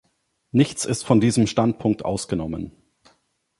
Nichts ist von diesem Standpunkt ausgenommen.